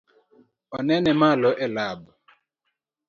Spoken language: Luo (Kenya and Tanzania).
Onene malo e lab?